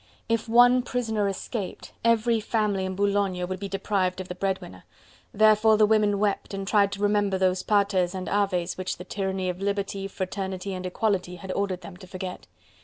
If one prisoner escaped, every family in Boulogne would be deprived of the bread winner. Therefore the women wept, and tried to remember those Paters and Aves which the tyranny of liberty, fraternity and equality had ordered them to forget.